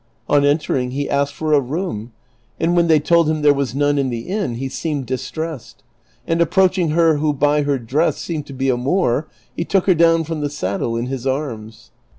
On entering he asked for a room, and when they told him there was none in the inn he seemed distressed, and approaching her who by her dress seemed to be a Moor he took her down from the saddle in his arms.